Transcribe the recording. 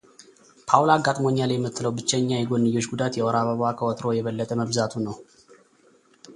ፓውላ አጋጥሞኛል የምትለው ብቸኛ የጎንዮሸ ጉዳት የወር አበባዋ ከወትሮው የበለጠ መብዛቱ ነው።